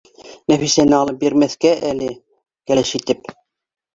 Нәфисәне алып бирмәҫкә әле? Кәләш итеп